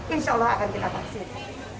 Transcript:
insya allah akan kita vaksin